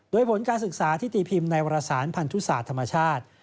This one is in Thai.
โดยผลการศึกษาที่ตีพิมพ์ในวรสารพันธุศาสตร์ธรรมชาติ